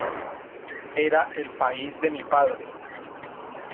Era el país de mi padre.